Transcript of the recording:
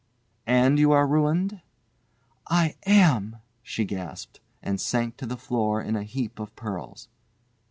"And you are ruined?" "I am," she gasped, and sank to the floor in a heap of pearls.